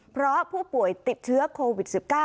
เพราะผู้ป่วยติดเชื้อโควิด๑๙